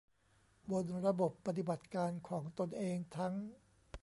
บนระบบปฏิบัติการของตนเองทั้ง